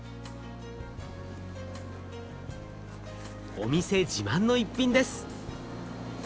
お店自慢の逸品です。